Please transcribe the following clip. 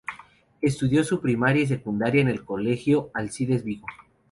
Estudio su primaria y secundaria en el colegio Alcides Vigo.